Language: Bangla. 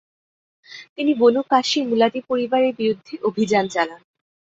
তিনি বনু কাসি মুলাদি পরিবারের বিরুদ্ধে অভিযান চালান।